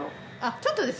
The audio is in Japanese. ちょっとです